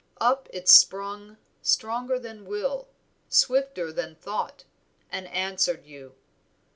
Up it sprung stronger than will, swifter than thought, and answered you.